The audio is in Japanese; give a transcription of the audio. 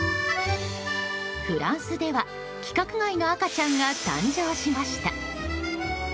フランスでは規格外の赤ちゃんが誕生しました。